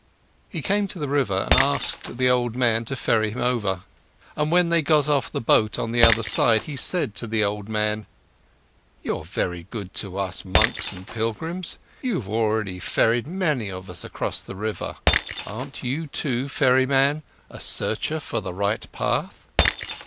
He came to the river and asked the old man to ferry him over, and when they got off the boat on the other side, he said to the old man: "You're very good to us monks and pilgrims, you have already ferried many of us across the river. Aren't you too, ferryman, a searcher for the right path?"